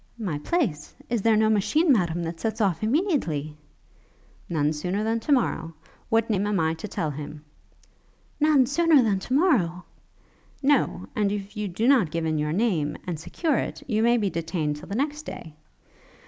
'My place? Is there no machine, Madam, that sets off immediately?' 'None sooner than to morrow. What name am I to tell him?' 'None sooner than to morrow?' 'No; and if you do not give in your name, and secure it, you may be detained till the next day.'